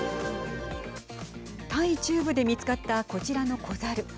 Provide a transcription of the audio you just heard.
タイ中部で見つかったこちらの子ザル。